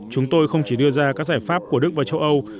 chúng tôi không chỉ đưa ra các giải pháp của đức và châu âu